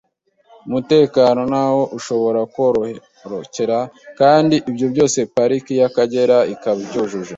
umutekano n’aho ishobora kororokera; kandi ibyo byose Pariki y’Akagera ikaba ibyujuje.